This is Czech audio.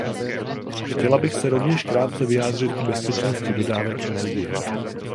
Chtěla bych se rovněž krátce vyjádřit k bezpečnosti dodávek energie.